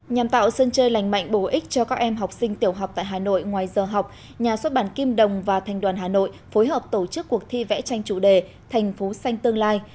nhằm tạo sân chơi lành mạnh bổ ích cho các em học sinh tiểu học tại hà nội ngoài giờ học nhà xuất bản kim đồng và thành đoàn hà nội phối hợp tổ chức cuộc thi vẽ tranh chủ đề thành phố xanh tương lai